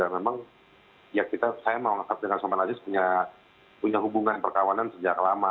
memang ya saya menganggap dengan suleman aziz punya hubungan perkawanan sejak lama